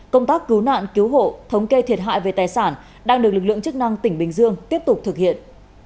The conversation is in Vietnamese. công tác cứu nạn cứu hộ thống kê thiệt hại về tài sản đang được lực lượng chức năng tỉnh bình dương tiếp tục thực hiện